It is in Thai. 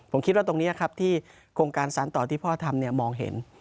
ผมคิดว่าตรงนี้ครับที่โครงการสารต่อที่พ่อทำมองเห็น